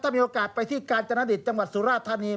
มีโอกาสไปที่กาญจนดิตจังหวัดสุราธานี